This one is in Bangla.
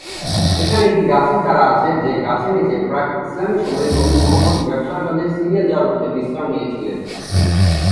এখানে একটি গাছের চারা আছে যে গাছের নিচে প্রাক ইসলামী সময়ে নবী মুহাম্মদ ব্যবসার কাজে সিরিয়া যাওয়ার পথে বিশ্রাম নিয়েছিলেন।